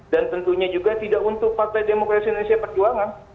dan tentunya juga tidak untuk partai demokrasi indonesia perjuangan